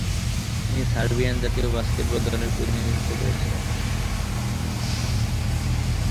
তিনি সার্বিয়ান জাতীয় বাস্কেটবল দলের প্রতিনিধিত্ব করেছিলেন।